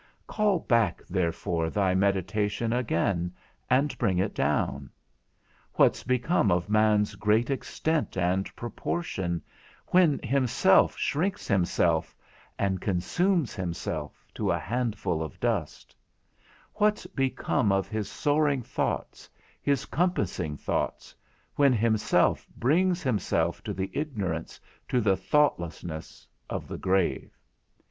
Call back therefore thy meditation again, and bring it down: what's become of man's great extent and proportion, when himself shrinks himself and consumes himself to a handful of dust; what's become of his soaring thoughts, his compassing thoughts, when himself brings himself to the ignorance, to the thoughtlessness, of the grave?